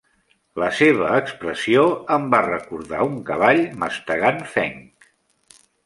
La seva expressió em va recordar un cavall mastegant fenc.